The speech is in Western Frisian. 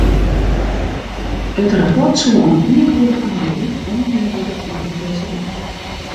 It rapport soe om ien oere fan 'e middei oanbean wurde oan de presidint.